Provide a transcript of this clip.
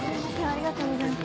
ありがとうございます。